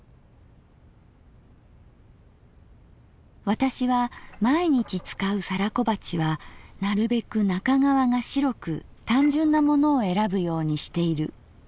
「私は毎日使う皿小鉢はなるべく中側が白く単純なものをえらぶようにしている。